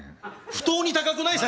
不当に高くない？